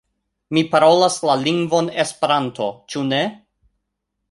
Mi parolas la lingvon Esperanto, ĉu ne?